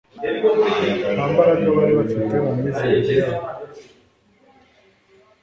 nta mbaraga bari bafite mu myizerere yayo